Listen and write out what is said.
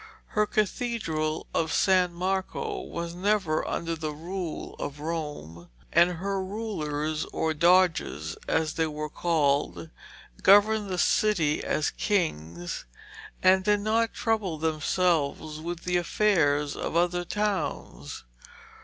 Her cathedral of San Marco was never under the rule of Rome, and her rulers, or doges, as they were called, governed the city as kings, and did not trouble themselves with the affairs of other towns.